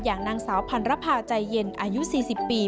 อย่างนางสาวพันรภาใจเย็นอายุ๔๐ปี